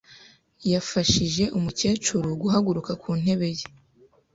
Yafashije umukecuru guhaguruka ku ntebe ye.